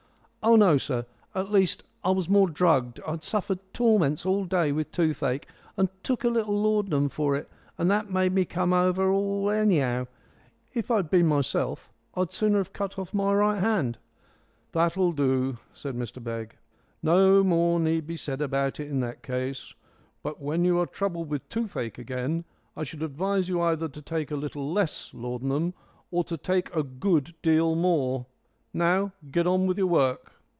"Oh, no, sir. At least it was more drugged. I'd suffered torments all day with toothache, and took a little laudanum for it, and that made me come over all anyhow. If I'd been myself I'd sooner have cut off my right hand " "That'll do," said Mr Begg. "No more need be said about it in that case. But when you are troubled with toothache again I should advise you either to take a little less laudanum or to take a good deal more. Now get on with your work."